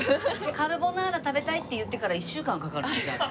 「カルボナーラ食べたい」って言ってから１週間かかるねじゃあね。